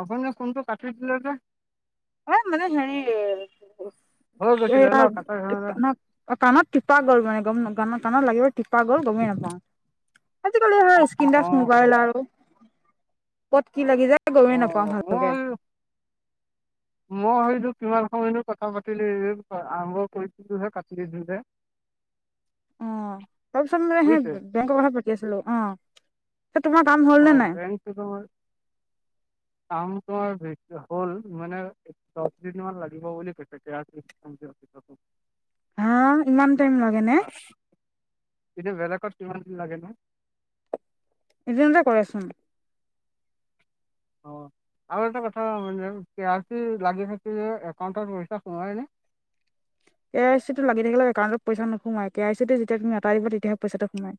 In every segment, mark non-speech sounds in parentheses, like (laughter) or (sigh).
আপুনি যে ফোনটো কাটি দিল যে। এ, মানে হেৰি হৈ গৈছিলে ন কাটা ধৰণে (unintelligible) অ' কাণত টিপা গ'ল মানে কাণত টানা গৈ টিপা গ'ল গমেই নাপাওঁ। আজিকালি হে, অ স্কিনটাচ অ মোবাইল আৰু ক'ত কি লাগি যায়। অ গমেই নাপাওঁ ভালকে। মই মই সেইটো কিমান মই এনে কথা পাতিলি, আৰম্ভ কৰিছিলোহে কাটি দিলি হে। অ' তাৰপিছত হেই বুজিছে বেংকৰ কথা পাতি আছিলো অ'। হে তোমাৰ কাম অ' বেংক কিছুমান হয় কাম তোমাৰে হ'ল মানে দহদিন মান লাগিব বুলি কৈছে। এনকে অফিচত। হা, ইমান টাইম লাগেনে? এতিয়া বেলেগত কিমান টাইম লাগে এনে? এদিনতে কৰেচোন। অ' আৰু এটা কথা মানে পি আৰ চি লাগি থাকি যে একাউণ্টৰ পইচা সোমাইনে? এ, আই চিটো লাগি থাকিলে একাউণ্টত পইচা নোসোমাই, পি আৰ চিটো যেতিয়া তুমি আঁতৰাই দিবা তেতিয়াহে পইচাটো সোমাই।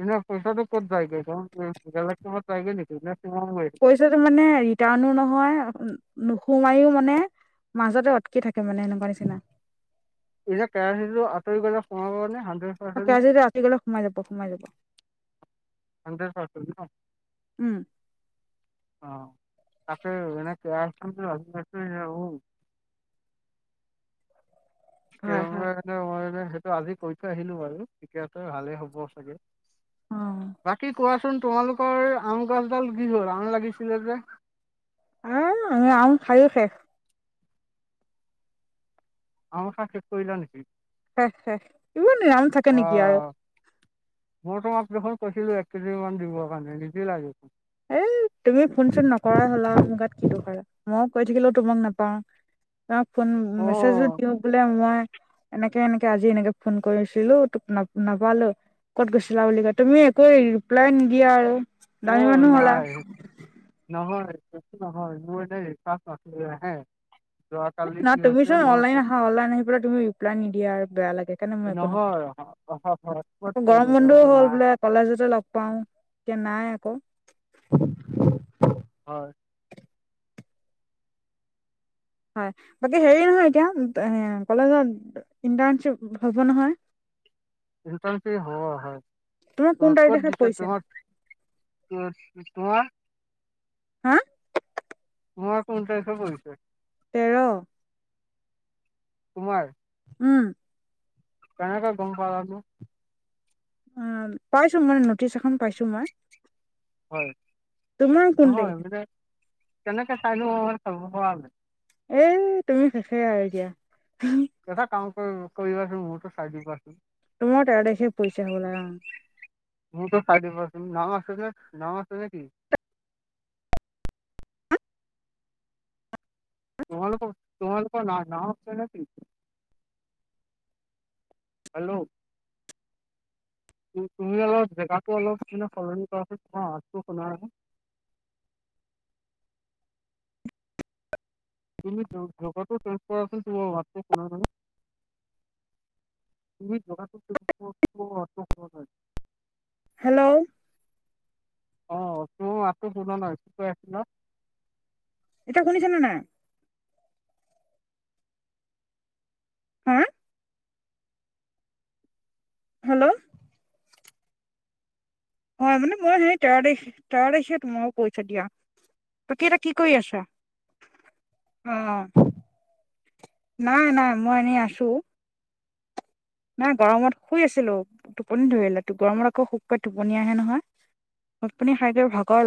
এনে পইচাটো ক'ত যায়গৈ, বেলেগে ক'ৰবাত যাইগৈ নেকি নে (unintelligible) পইচাটো মানে ৰিটাৰ্ণো নহয়, নোসোমায়্য মানে মাজতে অটকি থাকে মানে এনেকুৱা নিচিনা। এতিয়া কেৰাহীটো আতৰি গলে সোমাবনে হান কেৱাইছিটো আঁতৰি গলে সোমাই যাব, সোমাই যাব। হান্দ্ৰেড পাৰ্চেন ন'? উম অ' তাকে এনে কে (unintelligible) হয় কেও হয় মে মই বোলে সেইটো আজি কৈ থৈ আহিলো বাৰু, তেতিয়াতো ভালে হ'ব চাগে। অ বাকী কোৱাচোন তোমালোকৰ আম গছডাল কি হ'ল, আম লাগিছিলে যে? এ, আমি আম খায়ে শেষ। আম খাই শেষ কৰিলা নেকি? শেষ শেষ, এইবোৰ দিনো আম থাকে নেকি আৰু। অ', মই তোমাক দেখোন কৈছিলো এক কেজিমান দিবৰ কাৰণে, নিদিলা দেখোন। এই তুমি ফোন চোন নকৰা হ'লা মোৰ গাত কি দোষ আৰু। মই কৈ থাকিলোও তোমাক নাপাও, তোমাক ফোন মেছেজো অ', দিওঁ বোলে মই এনেকে এনেকে আজি এনেকে ফোন কৰিছিলো, তোক নাপালো। ক'ত গৈছিলা বুলি কয়, তুমি একো ৰিপ্লাই নিদিয়া আৰু। দামী অ' মানুহ হ'লা নাই। নহয়, বেছি নহয়, মোৰ মানে ৰিচাৰ্জ নাছিলে হে। যোৱাকালি না কি হৈছে তুমিচোন অনলাইন মই আহা, অনলাইন আহি পেলাই তুমি ৰিপ্লাই নিদিয়া আৰু বেয়া লাগে কাৰণে মই একো ন নহয় (unintelligible) হটস্পট লওঁ মানে মই হ'ল নোৱাৰা। বোলে কলেজতে লগ পাও, এতিয়া নাই আকৌ। হয়। হয়, বাকী হেৰি নহয় এতিয়া, কলেজত ইণ্টাৰ্ণশ্বিপ হ'ব নহয়। ইটাৰ্ণচিপ হব হয়। তোমাৰ কোন তোমাক ক'ত তাৰিখে দিছে পৰিছে তোমাক? মোৰ, তোমাৰ? হা? তোমাৰ কোন তাৰিখে পৰিছে? তেৰ। তোমাৰ? উম! কেনকে গম পালানো? উম, পাইছোঁ মানে, নটিছ এখন পাইছোঁ মই। হয়! তোমাৰ কোন নহয় তাৰিখে মানে, কেনেকে (unintelligible) এই, তুমি শেষে আৰু দিয়া। (unintelligible) এটা কাম কৰি, কৰিবাচোন, মোৰতো চাই দিবাচোন? মোৰ তেৰ তাৰিখে পৰিছে হ'বলা। অ'! মোৰতো চায় দিবাচোন? (unintelligible) নাম আছে নেকি? তোমালোকৰ, তোমালোকৰ নাম, নাম আছে নেকি? হেল্ল'? তুমি অলপ, জেগাটো অলপ মানে, সলনি কৰা চোন? তোমাৰ মাতটো শুনা (unintelligible) তুমি (unintelligible) জাগাতো চেঞ্চ কৰাচোন? তোমাৰ মাতটো শুনা নাই। তুমি জাগাটো চেঞ্চ কৰাচোন? মই মাতটো শুনা নাই। হেল্ল'? অ'! তোমাৰ মাততো শুনা নাই? কি কৈ আছিলা? এতিয়া শুনিছানে নাই? হা? হেল্ল'? হয়! মানে, মই সেই, তেৰ তাৰিখ, তোৰ তাৰিখে তোমাকো কৈছোঁ দিয়া! বাকী, এতিয়া কি কৰি আছা? অ'! নাই, নাই। মই এনেই আছোঁ। নাই, গৰমত শুই আছিলোঁ! টোপনি ধৰিলে, গৰমত আকৌ, শুবকৈ টোপনি আহে, নহয়! ভাত-পানী খায় লয়, ভাগৰ লা